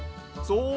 そう！